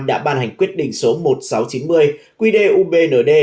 đã ban hành quyết định số một nghìn sáu trăm chín mươi qd ubnd